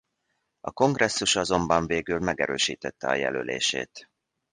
A kongresszus azonban végül megerősítette a jelölését.